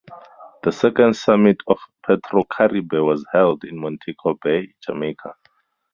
The second summit of Petrocaribe was held in Montego Bay, Jamaica.